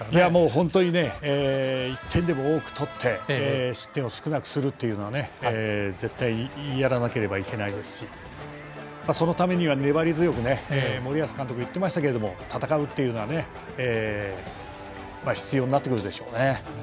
本当に１点でも多く取って失点を少なくするというのは絶対やらなければいけないですしそのためには粘り強く森保監督が言っていましたが戦うっていうのは必要になってくるでしょうね。